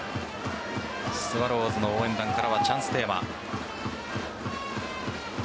スワローズの応援団からはチャンステーマ。